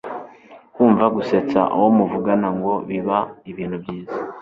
kumva, gusetsa uwo muvugana ngo biba ibintu byiza